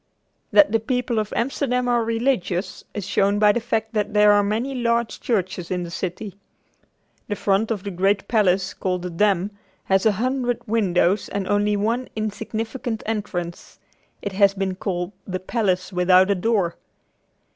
That the people of Amsterdam are religious is shown by the fact that there are many large churches in the city. The front of the great palace called the Dam has a hundred windows and only one little insignificant entrance. It has been called "the palace without a door."